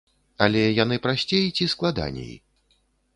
Але яны прасцей ці складаней?